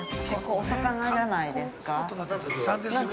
◆お魚じゃないですか？